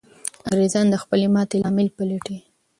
انګریزان د خپلې ماتې لامل پلټي.